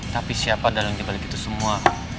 tapi siapa dalam jembali itu semua